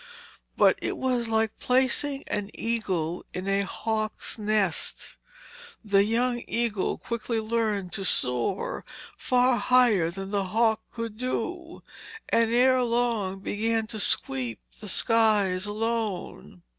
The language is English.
But it was like placing an eagle in a hawk's nest. The young eagle quickly learned to soar far higher than the hawk could do, and ere long began to 'sweep the skies alone.'